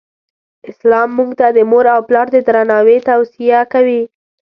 اسلام مونږ ته د مور او پلار د درناوې توصیه کوی.